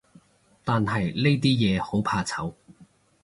但係呢啲嘢，好怕醜